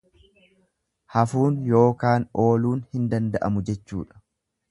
Hafuun yookaan ooluun hin danda'amu jechuudha.